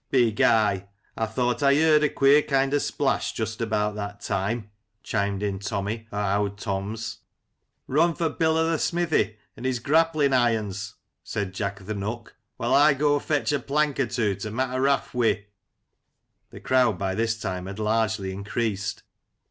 " Bi guy ! I thought I yerd a queer kind of a splash just about that time," chimed in Tommy o' Owd Tom's. "Run for Bill o'th' smithy and his grappling irons !" said Jack o'th' Nook, " while I go fetch a plank or two to ma' a raft wi'." The crowd by this time had largely increased.